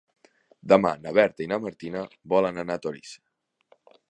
Demà na Berta i na Martina volen anar a Torís.